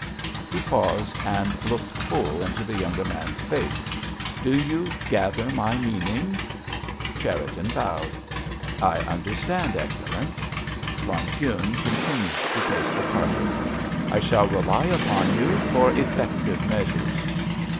He paused and looked full into the younger man's face. "Do you gather my meaning?" Cherriton bowed. "I understand, Excellenz." Von Kuhne continued to pace the carpet. "I shall rely upon you for effective measures."